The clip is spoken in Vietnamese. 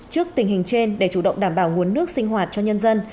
trước tình hình trên để chủ động đảm bảo nguồn nước sinh hoạt cho nhân dân